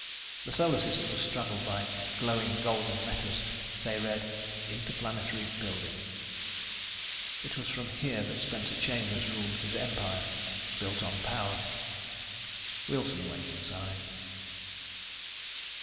The Solar System was straddled by glowing, golden letters. They read: INTERPLANETARY BUILDING. It was from here that Spencer Chambers ruled his empire built on power. Wilson went inside.